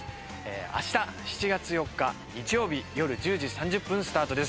明日７月４日、日曜日、夜１０時３０分スタートです。